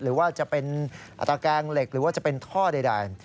หรือว่าจะเป็นตะแกงเหล็กหรือว่าจะเป็นท่อใด